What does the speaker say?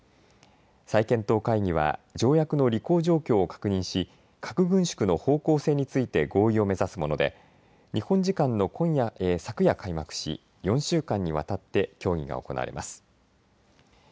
再検討会議は条約の履行状況を確認し核軍縮の方向性について合意を目指すもので日本時間の昨夜開幕し４週間にわたって協議が行われます。